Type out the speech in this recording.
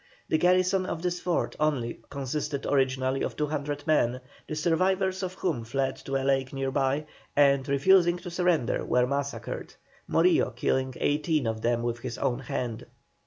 The garrison of this fort only consisted originally of 200 men, the survivors of whom fled to a lake near by, and refusing to surrender were massacred, Morillo killing eighteen of them with his own hand.